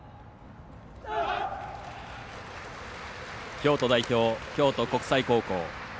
京都代表、京都国際高校。